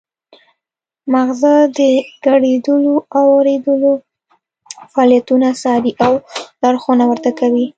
مغزه د ګړیدلو او اوریدلو فعالیتونه څاري او لارښوونه ورته کوي